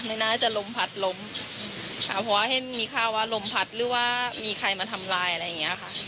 ไม่น่าจะลมพัดล้มค่ะเพราะว่าเห็นมีข้าวว่าลมพัดหรือว่ามีใครมาทำลายอะไรอย่างเงี้ยค่ะ